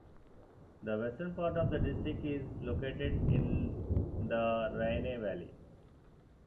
The western part of the district is located in the Rhine valley.